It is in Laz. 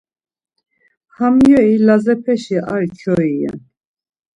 Ham yeri Lazepeşi ar kyoi ren.